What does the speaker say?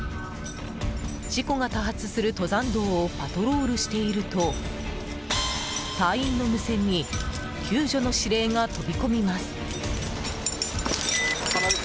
事故が多発する登山道をパトロールしていると隊員の無線に救助の指令が飛び込みます。